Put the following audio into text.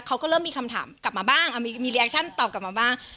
เขาก็เริ่มมีคำถามกลับมาบ้างมีรีแอคชั่นตอบกลับมาบ้าง